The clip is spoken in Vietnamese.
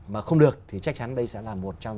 mà không được thì chắc chắn đây sẽ là một trong